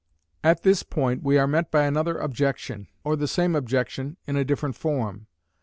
At this point we are met by another objection, or the same objection in a different form.